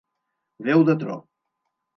Veu de tro.